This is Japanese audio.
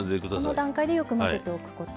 この段階でよく混ぜておくこと。